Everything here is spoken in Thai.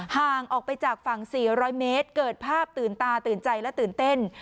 ห่างออกไปจากฝั่ง๔๐๐เมตรเกิดภาพตื่นตาตื่นใจและตื่นเต้น